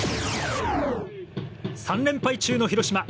３連敗中の広島。